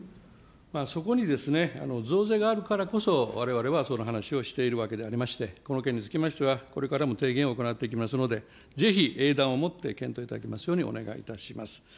そこに増税があるからこそ、われわれはその話をしているわけでありまして、この件につきましては、これからも提言を行っていきますので、ぜひ英断をもって検討いただきますようにお願いいたします。